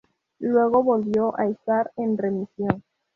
Luego volvió a estar en remisión.